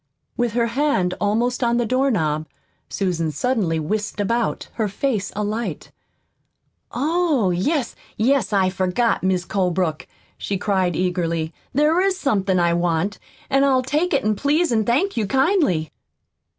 With her hand almost on the doorknob Susan suddenly whisked about, her face alight. "Oh, yes, yes, I forgot, Mis' Colebrook," she cried eagerly. "There is somethin' I want; an' I'll take it, please, an' thank you kindly."